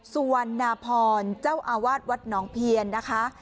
สุวรรณพรเจ้าอาวาสวัดหนองเพียนนะคะ